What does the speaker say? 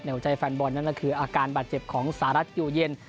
หัวใจแฟนบอลนั่นก็คืออาการบาดเจ็บของสหรัฐอยู่เย็น